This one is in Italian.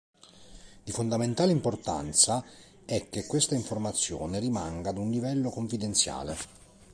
Di fondamentale importanza è che questa informazione rimanga ad un livello confidenziale.